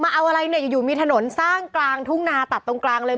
เอาอะไรเนี่ยอยู่มีถนนสร้างกลางทุ่งนาตัดตรงกลางเลย